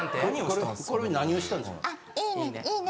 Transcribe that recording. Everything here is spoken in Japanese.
これ何をしたんですか？